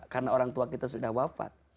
karena orang tua kita sudah wafat